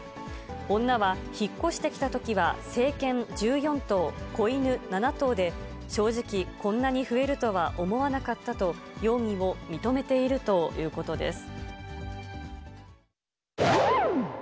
女は、引っ越してきたときは成犬１４頭、子犬７頭で正直、こんなに増えるとは思わなかったと、容疑を認めているということです。